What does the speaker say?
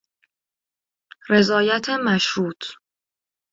رضایت مشروط